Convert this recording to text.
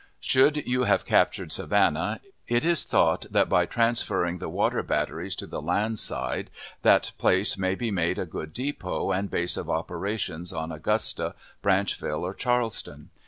Should you have captured Savannah, it is thought that by transferring the water batteries to the land side that place may be made a good depot and base of operations on Augusta, Branchville, or Charleston.